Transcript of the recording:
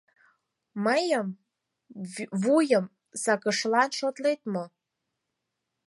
Мыйым вуйым сакышылан шотлет мо?